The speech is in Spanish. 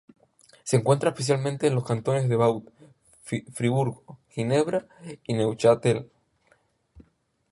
Se encuentra especialmente en los cantones de Vaud, Friburgo, Ginebra y Neuchâtel.